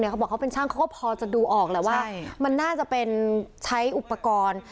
เขาบอกเขาเป็นช่างเขาก็พอจะดูออกแหละว่ามันน่าจะเป็นใช้อุปกรณ์